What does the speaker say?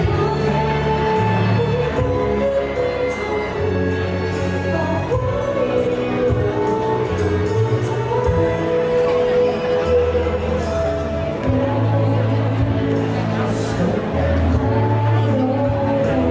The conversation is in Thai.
สวัสดีสวัสดี